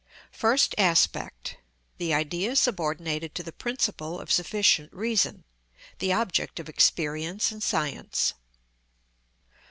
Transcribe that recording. First Aspect. The Idea Subordinated To The Principle Of Sufficient Reason: The Object Of Experience And Science.